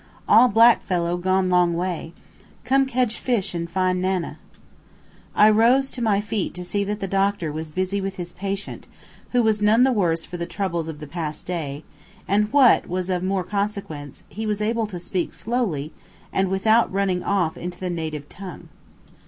"All black fellow gone long way. Come kedge fis an fine 'nana." I rose to my feet to see that the doctor was busy with his patient, who was none the worse for the troubles of the past day, and what was of more consequence, he was able to speak slowly and without running off into the native tongue.